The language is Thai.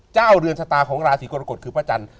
เจ้าเรือนชะตาของราศีกรกฎคือพระจันทร์